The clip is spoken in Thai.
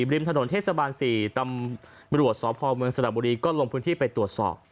ริมถนนเทศบาล๔ตำรวจสพเมืองสระบุรีก็ลงพื้นที่ไปตรวจสอบ